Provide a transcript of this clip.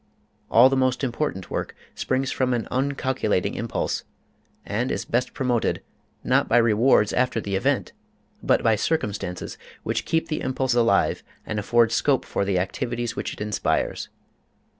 All the most important work springs from an uncalculating impulse, and is best promoted, not by rewards after the event, but by circumstances which keep the impulse alive and afford scope for the activities which it inspires.